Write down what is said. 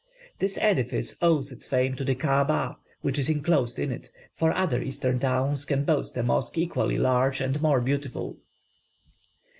This edifice owes its fame to the Kaaba which is enclosed in it, for other Eastern towns can boast of mosques equally large and more beautiful.